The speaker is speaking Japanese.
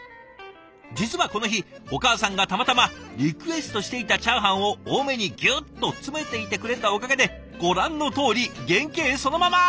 実はこの日お母さんがたまたまリクエストしていたチャーハンを多めにぎゅっと詰めていてくれたおかげでご覧のとおり原形そのまま！